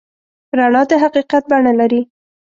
رڼا د حقیقت بڼه لري.